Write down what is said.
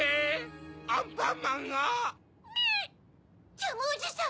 ジャムおじさん！